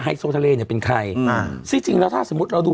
โซทะเลเนี่ยเป็นใครอ่าซึ่งจริงแล้วถ้าสมมุติเราดู